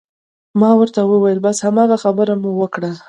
ما ورته وویل: بس هماغه خبره مو وکړه.